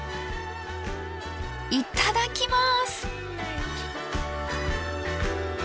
いただきます！